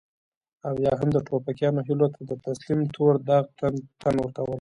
او يا هم د ټوپکيانو هيلو ته د تسليم تور داغ ته تن ورکول.